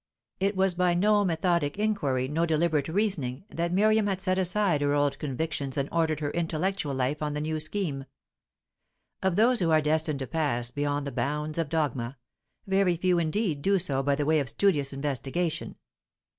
It was by no methodic inquiry, no deliberate reasoning, that Miriam had set aside her old convictions and ordered her intellectual life on the new scheme. Of those who are destined to pass beyond the bounds of dogma, very few indeed do so by the way of studious investigation.